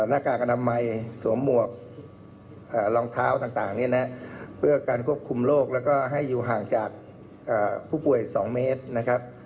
หน้ากากอนามัยสวมหมวกรองเท้าต่างเนี่ยนะเพื่อการควบคุมโรคแล้วก็ให้อยู่ห่างจากผู้ป่วย๒เมตรนะครับ